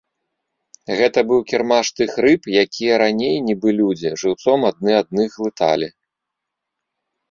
Гэта быў кірмаш тых рыб, якія раней, нібы людзі, жыўцом адны адных глыталі.